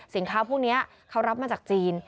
สินค้าพวกนี้เขารับมาจากจีน